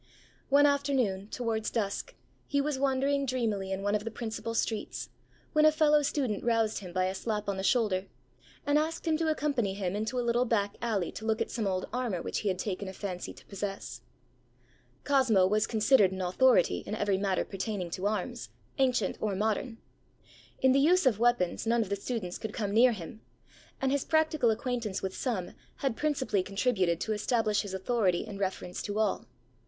One afternoon, towards dusk, he was wandering dreamily in one of the principal streets, when a fellow student roused him by a slap on the shoulder, and asked him to accompany him into a little back alley to look at some old armour which he had taken a fancy to possess. Cosmo was considered an authority in every matter pertaining to arms, ancient or modern. In the use of weapons, none of the students could come near him; and his practical acquaintance with some had principally contributed to establish his authority in reference to all.